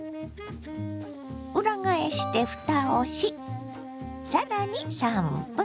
裏返してふたをし更に３分。